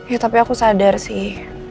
ya tapi aku sadar sih